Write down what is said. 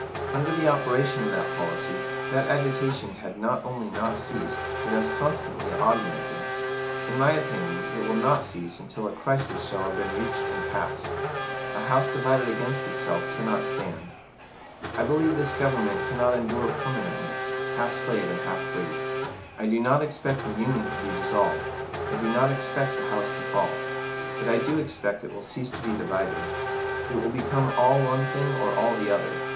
Under the operation of that policy, that agitation had not only not ceased, but has constantly augmented. In my opinion, it will not cease until a crisis shall have been reached and passed. 'A house divided against itself cannot stand.' I believe this Government cannot endure permanently, half slave and half free. I do not expect the Union to be dissolved I do not expect the house to fall but I do expect it will cease to be divided. It will become all one thing or all the other.